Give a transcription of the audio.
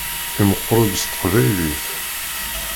Imeqqeṛ-d s teqbaylit.